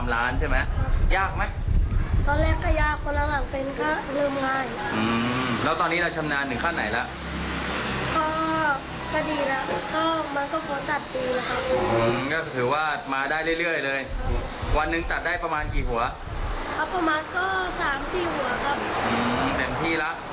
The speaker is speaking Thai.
และโตไปเราคิดจะต่อยอดอาชีพนี้มั้ย